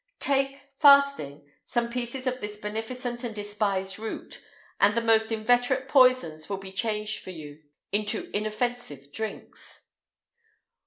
Take, fasting, some pieces of this beneficent and despised root, and the most inveterate poisons will be changed for you into inoffensive drinks.